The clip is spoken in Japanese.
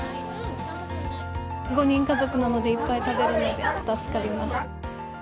５人家族なので、いっぱい食べるので助かります。